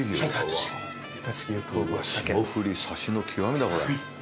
霜降りサシの極みだ！